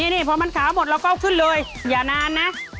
นี่พอมันขาวหมดเราก็ขึ้นเลยอย่านานนะ